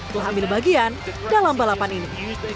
telah ambil bagian dalam balapan ini